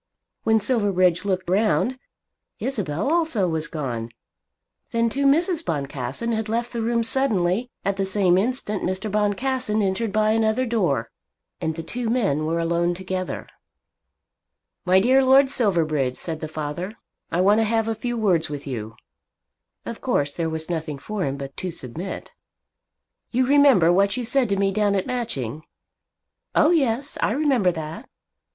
When Silverbridge looked round, Isabel also was gone. Then too Mrs. Boncassen had left the room suddenly. At the same instant Mr. Boncassen entered by another door, and the two men were alone together. "My dear Lord Silverbridge," said the father, "I want to have a few words with you." Of course there was nothing for him but to submit. "You remember what you said to me down at Matching?" "Oh yes; I remember that."